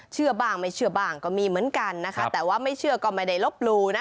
เชื่อบ้างไม่เชื่อบ้างก็มีเหมือนกันนะคะแต่ว่าไม่เชื่อก็ไม่ได้ลบหลู่นะ